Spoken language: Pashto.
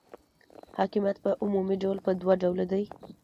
حاکمیت په عمومي ډول په دوه ډوله دی.